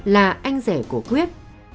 là anh rẻ của quyết